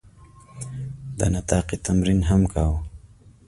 د نطاقي تمرین هم کاوه.